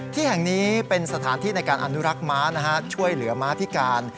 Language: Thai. ที่แห่งนี้เป็นสถานที่ในการอนุรักษ์ม้าช่วยเหลือม้าพิการ